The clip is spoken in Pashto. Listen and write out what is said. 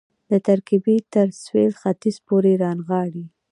د ترکیې تر سوېل ختیځ پورې رانغاړي.